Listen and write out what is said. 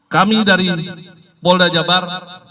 kami dari polda jabar